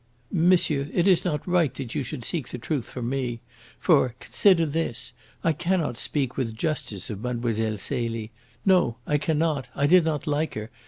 "Monsieur, it is not right that you should seek the truth from me. For, consider this! I cannot speak with justice of Mlle. Celie. No, I cannot! I did not like her.